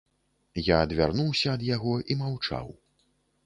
Я адвярнуўся ад яго і маўчаў.